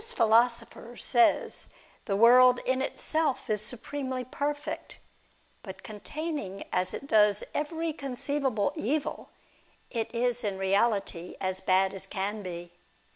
philosopher says the world in itself is supremely perfect, but containing as it does every conceivable evil, it is in reality as bad as can be.